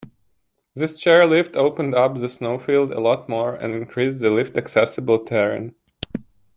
This chairlift opened up the snowfield a lot more and increased the lift-accessible terrain.